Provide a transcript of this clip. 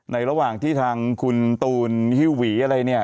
ระหว่างที่ทางคุณตูนฮิวหวีอะไรเนี่ย